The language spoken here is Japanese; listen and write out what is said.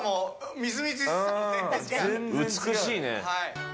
美しいね。